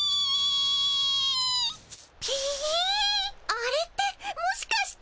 あれってもしかして。